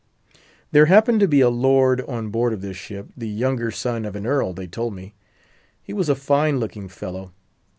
There happened to be a lord on board of this ship—the younger son of an earl, they told me. He was a fine looking fellow.